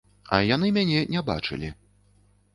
А яны мяне не бачылі.